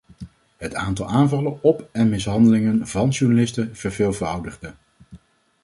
Het aantal aanvallen op en mishandelingen van journalisten verveelvoudigde.